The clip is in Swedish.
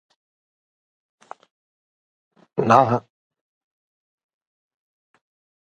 Avsikten är att generationer ska kunna samlas på ett ställe i syd.